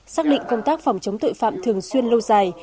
xác định công tác phòng chống tội phạm thường xuyên lâu dài